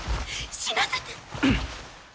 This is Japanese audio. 死なせて！